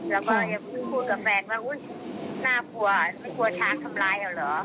แล้วก็ยังพูดกับแฟนว่าอุ๊ยน่ากลัวไม่กลัวช้างทำร้ายเราเหรอ